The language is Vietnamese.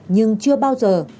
nhưng chưa bao giờ